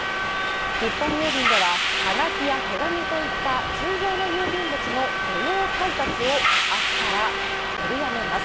日本郵便では、はがきや手紙といった通常の郵便物の土曜配達をあすから取りやめます。